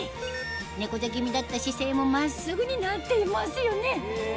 猫背気味だった姿勢も真っすぐになっていますよね